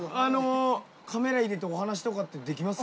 カメラ入れてお話とかってできます？